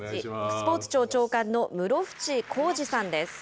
スポーツ庁長官の室伏広治さんです。